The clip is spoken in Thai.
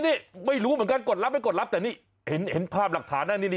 นี่ไม่รู้เหมือนกันกดรับไม่กดรับแต่นี่เห็นภาพหลักฐานนะนี่